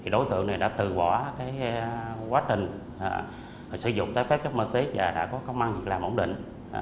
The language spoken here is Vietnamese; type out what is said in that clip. đối tượng này đã từ bỏ quá trình sử dụng trái phép chất ma túy và đã có công an việc làm ổn định